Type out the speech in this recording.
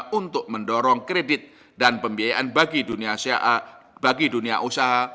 penurunan suku bunga kredit sebagai upaya